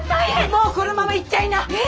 もうこのまま行っちゃいな！え！？